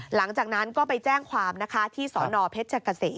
หลังจากนั้นก็ไปแจ้งความนะคะที่สนเพชรเกษม